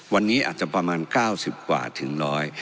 วันนี้อาจจะประมาณ๙๐กว่าถึงร้อย